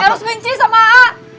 aku harus benci sama a